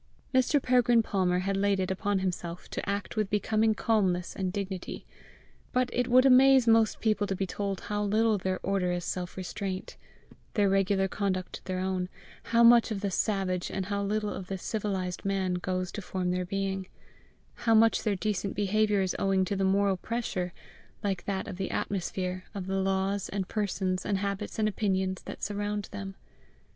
Mr. Peregrine Palmer had laid it upon himself to act with becoming calmness and dignity. But it would amaze most people to be told how little their order is self restraint, their regular conduct their own how much of the savage and how little of the civilized man goes to form their being how much their decent behaviour is owing to the moral pressure, like that of the atmosphere, of the laws and persons and habits and opinions that surround them.